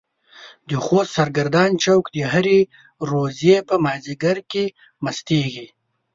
د خوست سرګردان چوک د هرې روژې په مازديګر کې مستيږي.